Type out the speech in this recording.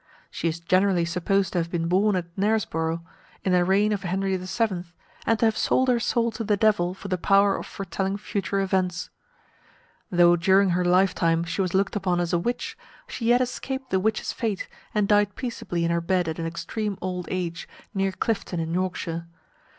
She is generally supposed to have been born at Knaresborough, in the reign of Henry VII., and to have sold her soul to the Devil for the power of foretelling future events. Though during her lifetime she was looked upon as a witch, she yet escaped the witch's fate, and died peaceably in her bed at an extreme old age, near Clifton in Yorkshire.